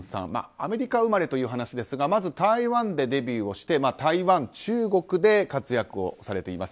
アメリカ生まれという話ですがまず台湾でデビューして台湾、中国で活躍をされています。